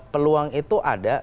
peluang itu ada